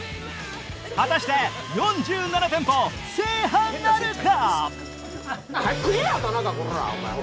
果たして４７店舗制覇なるか⁉